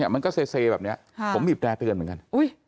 มันก็เซแบบนี้ผมบีบแร่เตือนเหมือนกัน